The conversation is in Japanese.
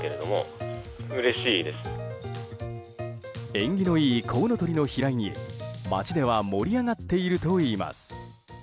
縁起のいいコウノトリの飛来に町では盛り上がっているといいます。